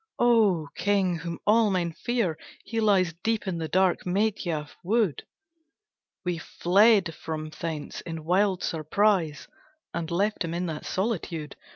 "O King, whom all men fear, he lies Deep in the dark Medhya wood, We fled from thence in wild surprise, And left him in that solitude.